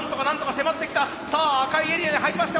さあ赤いエリアに入りました！